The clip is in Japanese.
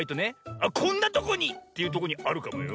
「あっこんなとこに！」っていうとこにあるかもよ。